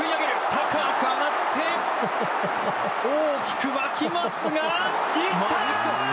高く上がって大きく沸きますが行った！